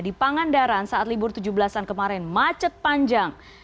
di pangandaran saat libur tujuh belas an kemarin macet panjang